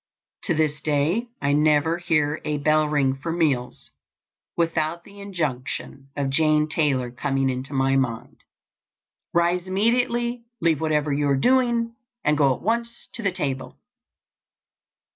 To this day I never hear a bell ring for meals, without the injunction of Jane Taylor coming into my mind: "Rise immediately, leave whatever you are doing, and go at once to the table."